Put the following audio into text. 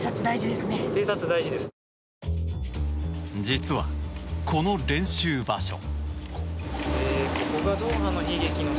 実は、この練習場所。